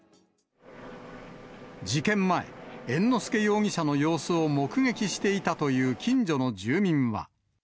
事件前、猿之助容疑者の様子を目撃していたという近所の住民は。